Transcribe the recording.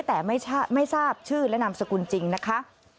แต่ไม่ทราบชื่อและนามสกุลจริงนะคะ